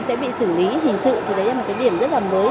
sẽ bị xử lý hình sự thì đấy là một cái điểm rất là mới